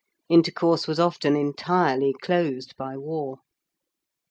Intercourse was often entirely closed by war.